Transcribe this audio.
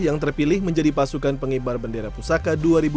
yang terpilih menjadi pasukan pengibar bendera pusaka dua ribu dua puluh